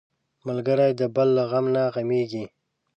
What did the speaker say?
ملګری د بل له غم نه غمېږي